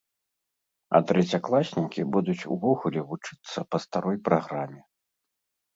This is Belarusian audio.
А трэцякласнікі будуць увогуле вучыцца па старой праграме.